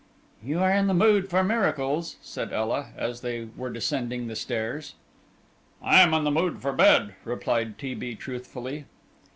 "You are in the mood for miracles," said Ela, as they were descending the stairs. "I am in the mood for bed," replied T. B. truthfully.